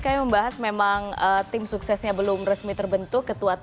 kami membahas memang tim suksesnya belum resmi terbentuk